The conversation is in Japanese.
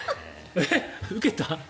受けた？